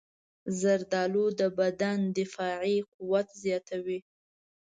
زردالو د بدن دفاعي قوت زیاتوي.